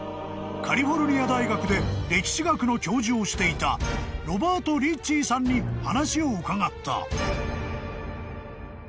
［カリフォルニア大学で歴史学の教授をしていたロバート・リッチーさんに話を伺った］